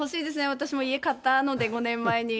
私も家買ったので、５年前に。